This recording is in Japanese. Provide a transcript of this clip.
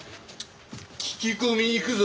聞き込み行くぞ。